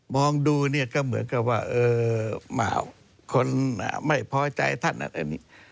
มองดูเหมือนกับว่าคนไม่พอใจท่าน